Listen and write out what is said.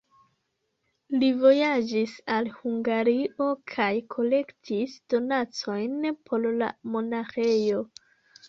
Li vojaĝis al Hungario kaj kolektis donacojn por la monaĥejo.